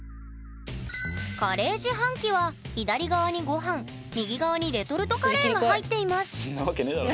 カレー自販機は左側にごはん右側にレトルトカレーが入っています。